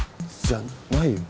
じゃないよ。